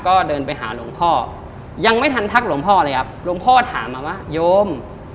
ก็เดินไปหาหลวงพ่อยังไม่ทันทักหลวงพ่อเลยครับหลวงพ่อถามมาว่าโยม